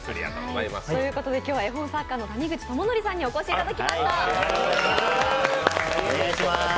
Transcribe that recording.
今日は、絵本作家の谷口智則さんにお越しいただきました。